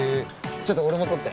ちょっと俺も撮って。